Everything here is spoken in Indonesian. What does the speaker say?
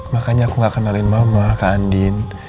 makanya aku gak kenalin mama ke andin